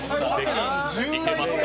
いけますか？